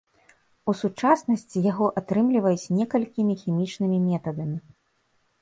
У сучаснасці яго атрымліваюць некалькім хімічнымі метадамі.